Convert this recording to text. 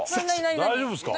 大丈夫ですか？